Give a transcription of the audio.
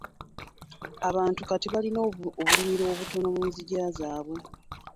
Abantu kati balina obulimiro obutono mu nzigya zaabwe.